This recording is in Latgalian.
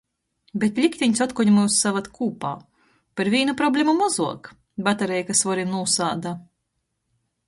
Bet liktiņs otkon myus savad kūpā... Par vīnu problemu mozuok! Batareika svorim nūsāda...